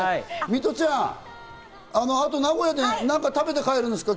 ミトちゃん、あとは名古屋で何か食べて帰るんですか？